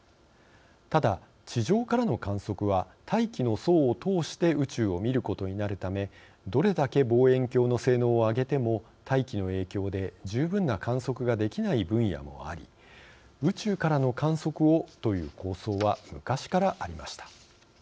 ただ、地上からの観測は大気の層を通して宇宙を見ることになるためどれだけ望遠鏡の性能を上げても大気の影響で十分な観測ができない分野もあり宇宙からの観測をという構想は昔からありました。